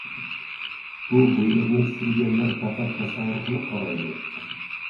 -بۇ بۇيرۇقنى چۈشۈرگەنلەر پەقەت تەسەۋۋۇرغىلا قارايدۇ.